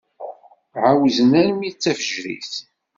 Ɛawzen armi d tafejrit.